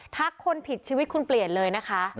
คนผิดชีวิตคุณเปลี่ยนเลยนะคะ